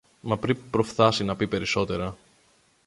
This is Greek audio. Μα πριν προφθάσει να πει περισσότερα